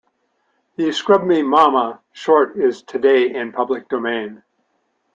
The "Scrub Me Mama" short is today in the public domain.